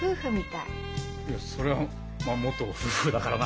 いやそりゃまあ元夫婦だからな。